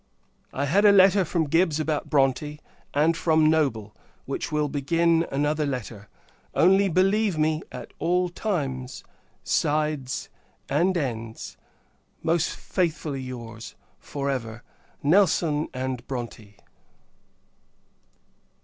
I had a letter from Gibbs about Bronte, and from Noble, which will begin another letter; only, believe me, at all times, sides, and ends, most faithfully your's, for ever, NELSON & BRONTE.